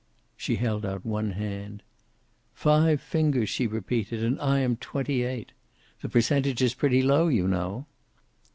She held out one hand. "Five fingers!" she repeated, "and I am twenty eight. The percentage is pretty low, you know."